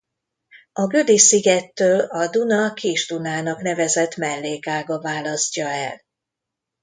A Gödi-szigettől a Duna Kis-Dunának nevezett mellékága választja el.